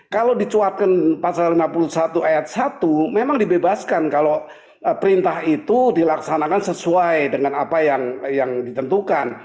kalau dicuatkan pasal lima puluh satu ayat satu memang dibebaskan kalau perintah itu dilaksanakan sesuai dengan apa yang ditentukan